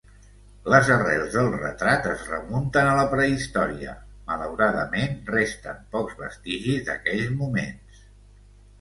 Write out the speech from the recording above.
Les arrels del retrat es remunten a la prehistòria, malauradament resten pocs vestigis d'aquells moments.